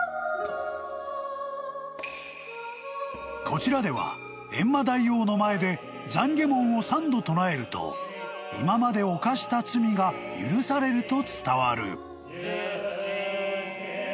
［こちらでは閻魔大王の前で懺悔文を３度唱えると今まで犯した罪が許されると伝わる］